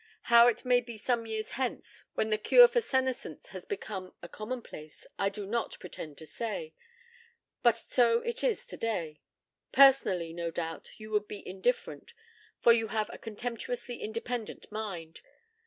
How it may be some years hence, when this cure for senescence has become a commonplace, I do not pretend to say. But so it is today. Personally, no doubt, you would be indifferent, for you have a contemptuously independent mind.